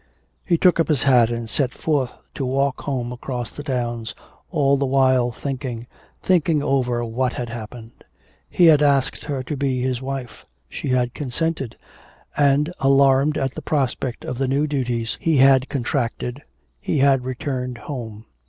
He took up his hat and set forth to walk home across the downs, all the while thinking, thinking over what had happened. He had asked her to be his wife. She had consented, and, alarmed at the prospect of the new duties he had contracted, he had returned home.